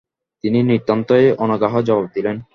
তিনি নিতান্তই অনাগ্রহে জবাব দিলেন।